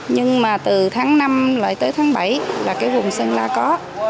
nhưng mà từ tháng năm lại tới tháng bảy là cái vùng sơn la có